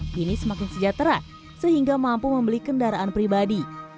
kini semakin sejahtera sehingga mampu membeli kendaraan pribadi